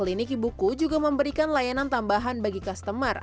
klinik ibuku juga memberikan layanan tambahan bagi klinik ibuku